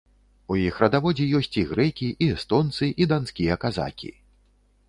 У іх радаводзе ёсць і грэкі, і эстонцы, і данскія казакі.